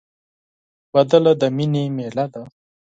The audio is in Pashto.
سندره د مینې میله ده